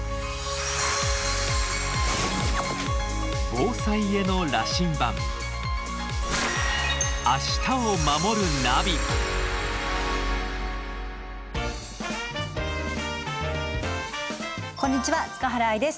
防災への羅針盤こんにちは塚原愛です。